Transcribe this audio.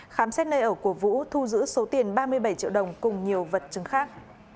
khám xét nơi ở của vũ thu giữ số tiền ba mươi bảy triệu đồng cùng nhiều vật chứng khác